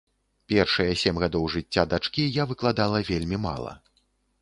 Першыя сем гадоў жыцця дачкі я выкладала вельмі мала.